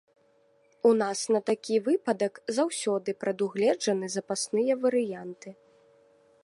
У нас на такі выпадак заўсёды прадугледжаны запасныя варыянты.